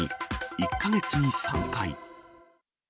１か月に３回。